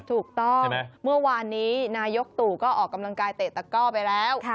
ถูกต้องเมื่อวานนี้นายกตู่ก็ออกกำลังกายเตะตะก้อไปแล้ว